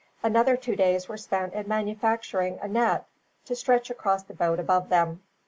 Another two days were spent in manufacturing a net, to stretch across the boat above them.